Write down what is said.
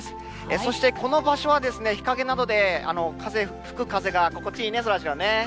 そして、この場所は日陰なので風、吹く風が心地いいね、そらジローね。